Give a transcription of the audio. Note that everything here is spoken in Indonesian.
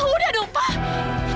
pak udah dong pak